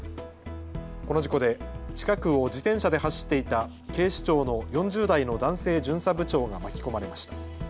この事故で近くを自転車で走っていた警視庁の４０代の男性巡査部長が巻き込まれました。